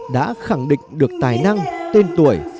đã khẳng định được tài năng tên tuổi